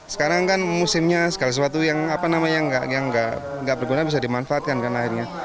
sekarang kan musimnya segala sesuatu yang nggak berguna bisa dimanfaatkan kan akhirnya